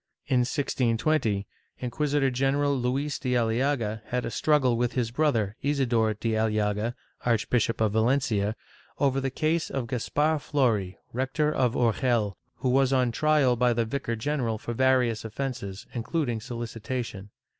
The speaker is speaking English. ^ In 1620, Inquisitor general Luis de Aliaga had a struggle with his brother Isidor de Aliaga, Archbishop of Valencia, over the case of Caspar Flori, rector of Urgel, who was on trial by the vicar general for various offences, including solicitation.